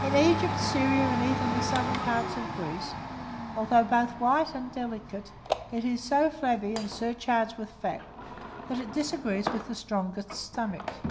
In Egypt, Syria, and even the southern parts of Greece, although both white and delicate, it is so flabby and surcharged with fat, that it disagrees with the strongest stomachs.